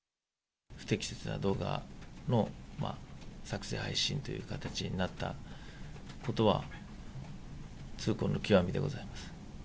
不適切な動画の作成、配信という形になったことは、痛恨の極みでございます。